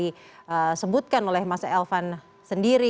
yang tadi juga disebutkan oleh mas alvan sendiri